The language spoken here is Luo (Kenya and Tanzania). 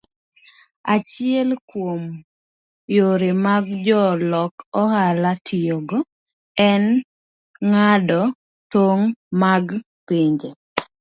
Achiel kuom yore ma jolok ohala tiyogo en ng'ado tong' mag pinje.